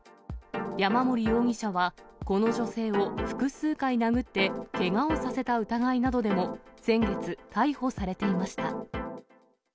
山森容疑者はこの女性を複数回殴って、けがをさせた疑いなどでも、先月、逮捕されていました。